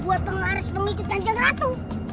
buat penglaris pengikut ganjeng ratu